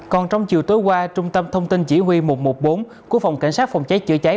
còn trong chiều tối qua trung tâm thông tin chỉ huy một trăm một mươi bốn của phòng cảnh sát phòng cháy chữa cháy